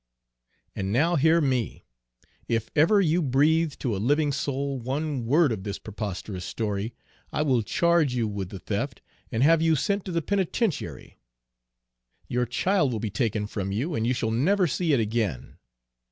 And now hear me: if ever you breathe to a living soul one word of this preposterous story, I will charge you with the theft, and have you sent to the penitentiary. Your child will be taken from you, and you shall never see it again.